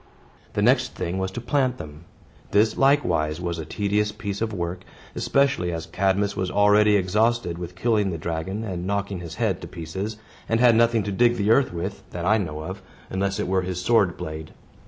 The next thing was to plant them. This, likewise, was a tedious piece of work, especially as Cadmus was already exhausted with killing the dragon and knocking his head to pieces, and had nothing to dig the earth with, that I know of, unless it were his sword blade.